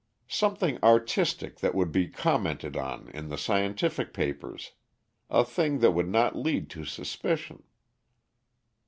"Something artistic that would be commented on in the scientific papers, a thing that would not lead to suspicion."